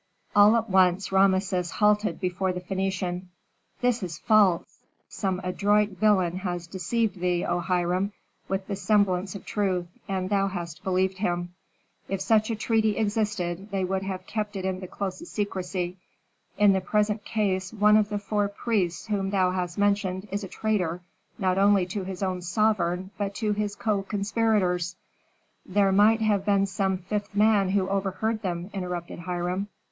All at once Rameses halted before the Phœnician, "This is false! Some adroit villain has deceived thee, O Hiram, with the semblance of truth, and thou hast believed him. If such a treaty existed, they would have kept it in the closest secrecy. In the present case one of the four priests whom thou hast mentioned is a traitor, not only to his own sovereign, but to his co conspirators " "There might have been some fifth man who overheard them," interrupted Hiram.